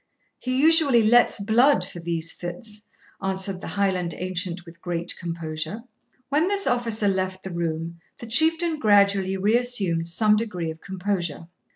'He usually lets blood for these fits,' answered the Highland ancient with great composure. When this officer left the room, the Chieftain gradually reassumed some degree of composure.